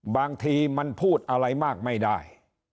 บางทีมันพูดอะไรมากไม่ได้